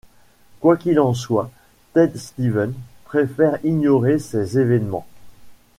Quoi qu'il en soit, Ted Stevens préfère ignorer ces événements.